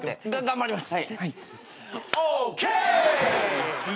頑張ります！